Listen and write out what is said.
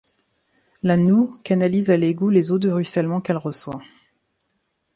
La noue canalise à l'égout les eaux de ruissellement qu'elle reçoit.